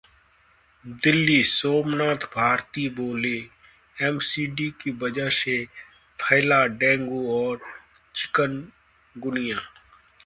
दिल्ली: सोमनाथ भारती बोले, एमसीडी की वजह से फैला डेंगू और चिकनगुनिया